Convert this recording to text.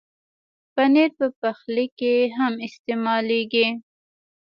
پنېر په پخلي کې هم استعمالېږي.